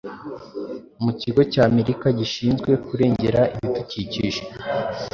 mu kigo cy’Amerika gishinzwe kurengera ibidukikije,